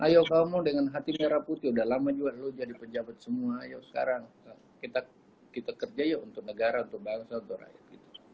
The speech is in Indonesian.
ayo kamu dengan hati merah putih udah lama juga lo jadi pejabat semua ayo sekarang kita kerja yuk untuk negara untuk bangsa untuk rakyat